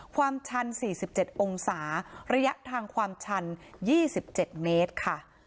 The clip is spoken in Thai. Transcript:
ความชัน๔๗องศาระยะทางความชัน๒๗เมตรค่ะ